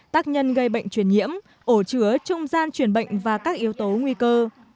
tác nhân gây bệnh truyền nhiễm ổ chứa trung gian truyền bệnh và các yếu tố nguy cơ